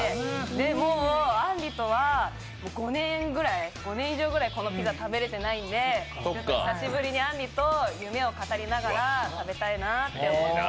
で、あんりとは５年以上くらいこのピザ、食べれてないので久しぶりにあんりと夢を語りながら食べたいなと思っています。